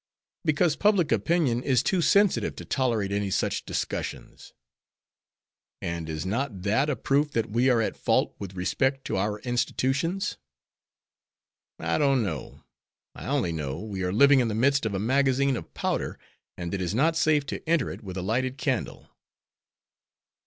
"Because public opinion is too sensitive to tolerate any such discussions." "And is not that a proof that we are at fault with respect to our institutions?" "I don't know. I only know we are living in the midst of a magazine of powder, and it is not safe to enter it with a lighted candle."